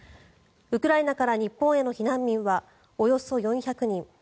ウクライナから日本への避難民はおよそ４００人。